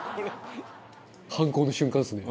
「犯行の瞬間ですね」